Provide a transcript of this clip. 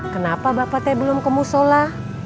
kenapa bapak teh belum kemusola